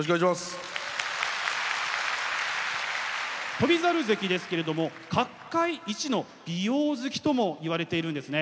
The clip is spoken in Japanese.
翔猿関ですけれども角界一の美容好きともいわれているんですね。